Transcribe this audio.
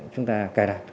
chúng ta cài đặt